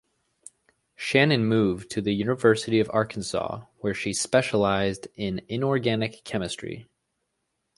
Shannon moved to the University of Arkansas where she specialised in inorganic chemistry.